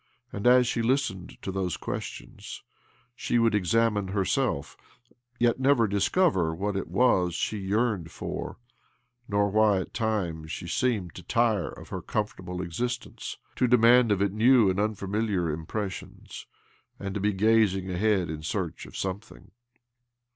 And as she listened to those questions she would examine herself, yet never discover what it was she yearned for, nor why, at times, she seemed to tire of her comfortable existence, to demand of it new and tinfamiliar impres sions, and to be gazing ahead in search of something